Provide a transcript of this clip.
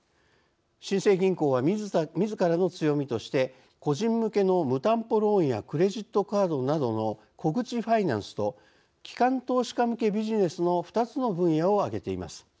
新生銀行はみずからの強みとして個人向けの無担保ローンやクレジットカードなどの小口ファイナンスと機関投資家向けビジネスの２つの分野を挙げています。